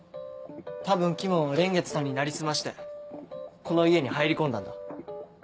多分鬼門は蓮月さんに成り済ましてこの家に入り込んだんだ。